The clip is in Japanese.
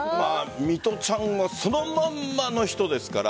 水卜ちゃんもそのまんまの人ですから。